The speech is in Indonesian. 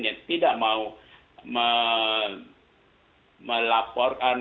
yang tidak mau melaporkan